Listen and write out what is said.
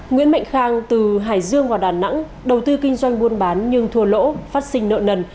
nguyễn mạnh khang từ hải dương vào đà nẵng đầu tư kinh doanh buôn bán nhưng thua lỗ phát sinh nợ nần